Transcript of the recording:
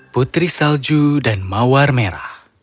putri salju dan mawar merah